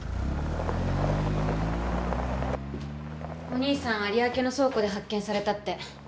お兄さん有明の倉庫で発見されたって。